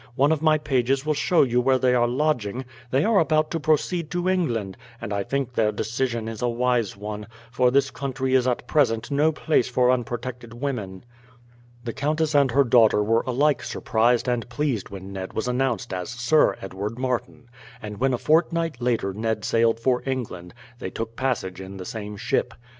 One of my pages will show you where they are lodging. They are about to proceed to England, and I think their decision is a wise one, for this country is at present no place for unprotected women." The countess and her daughter were alike surprised and pleased when Ned was announced as Sir Edward Martin. And when a fortnight later Ned sailed for England, they took passage in the same ship.